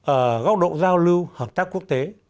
ở góc độ giao lưu hợp tác quốc tế